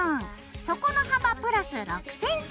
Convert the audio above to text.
底の幅プラス６ｃｍ